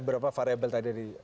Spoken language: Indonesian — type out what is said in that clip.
berapa variabel tadi